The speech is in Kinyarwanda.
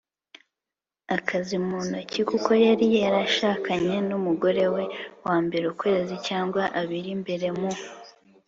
akazi mu ntoki kuko yari yarashakanye n'umugore we wa mbere ukwezi cyangwa abiri mbere. mu